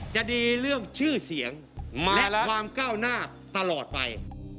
จะดีเรื่องชื่อเสียงและความก้าวหน้าตลอดไป